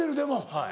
はい。